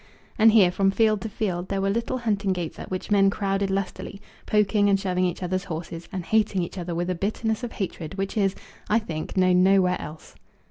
And here, from field to field, there were little hunting gates at which men crowded lustily, poking and shoving each other's horses, and hating each other with a bitterness of hatred which is, I think, known nowhere else.